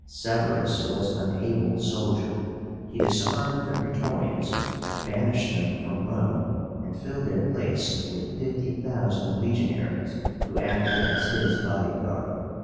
Sevérus was an able soldier. He disarmed the Praetorians, banished them from Rome, and filled their place with fifty thousand legionaries, who acted as his body guard.